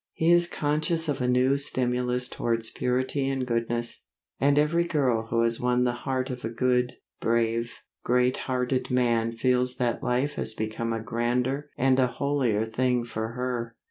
He is conscious of a new stimulus towards purity and goodness. And every girl who has won the heart of a good, brave, great hearted man feels that life has become a grander and a holier thing for her.